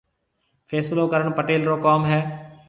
فيصلو ڪرڻ پيٽل رو ڪوم هيَ۔